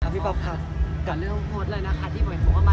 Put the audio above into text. เพียรติฟปค่ะ